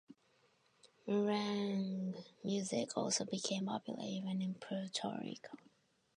Merengue music also became popular even in Puerto Rico.